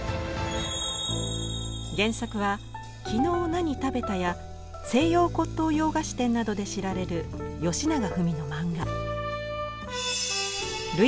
原作は「きのう何食べた？」や「西洋骨董洋菓子店」などで知られるよしながふみの漫画。